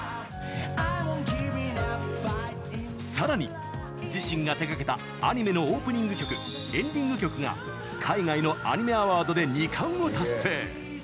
さらに、自身が手がけたアニメのオープニング曲エンディング曲が海外のアニメアワードで２冠を達成。